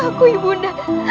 makan aku ibu dah